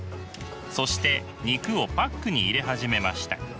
そして肉をパックに入れ始めました。